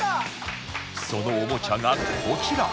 そのおもちゃがこちら